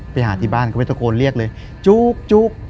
ไปหาที่บ้านเขาไม่ตะโกนเรียกเลยจุ๊ก